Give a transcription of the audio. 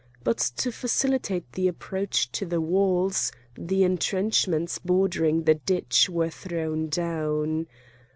But to facilitate the approach to the walls, the entrenchments bordering the ditch were thrown down.